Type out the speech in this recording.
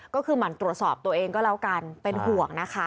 ก็คือหมั่นตรวจสอบตัวเองก็แล้วกันเป็นห่วงนะคะ